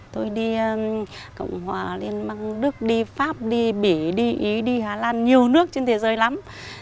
tôi đi cộng hòa liên bang đức đi pháp đi bỉ đi ý đi hà lan nhiều nước trên thế giới lắm